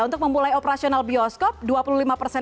untuk memulai operasional bioskop dua puluh lima persen